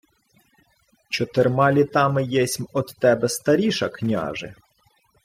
— Чотирма літами єсмь од тебе старіша, княже.